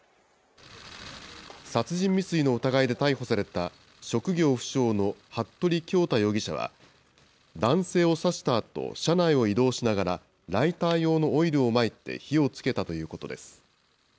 殺人未遂の疑いで逮捕された職業不詳の服部恭太容疑者は、男性を刺したあと車内を移動しながら、ライター用のオイルをまいて火をつけたということです。